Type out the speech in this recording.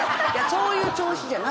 そういう調子じゃなかった。